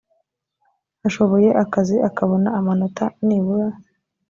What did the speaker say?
ashoboye akazi akabona amanota nibura